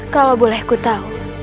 kalau boleh ku tahu